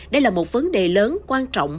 đây là một vấn đề lớn quan trọng